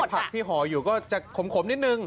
ผักที่ห่ออยู่ก็จะขมนิดนึง